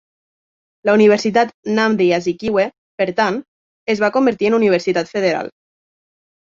La Universitat Nnamdi Azikiwe, per tant, es va convertir en universitat federal.